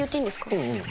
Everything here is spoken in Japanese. うんうん。